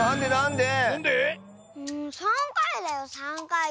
３かい。